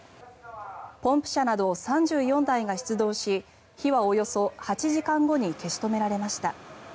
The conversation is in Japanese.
ポンプ車など３４台が出動し火はおよそ８時間後に消し止められました。